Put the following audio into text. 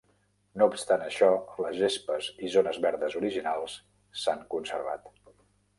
No obstant això, les gespes i zones verdes originals s'han conservat.